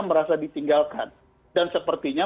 merasa ditinggalkan dan sepertinya